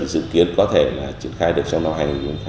dự kiến có thể triển khai được trong năm hai nghìn hai mươi